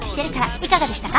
いかがでしたか？